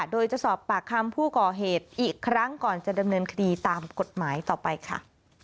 โดยจะสอบปากคำผู้ก่อเหตุอีกครั้งก่อนจะดำเนินคดีตามกฎหมายต่อไปค่ะ